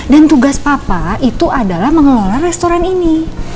dan tugas papa itu adalah mengelola restoran ini